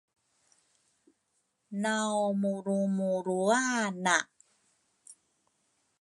naw murumuruana